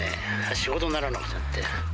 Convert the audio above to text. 仕事にならなくて。